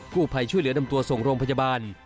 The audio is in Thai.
ผู้ภัยช่วยเหลือนำตัวส่งโรงพยาบาล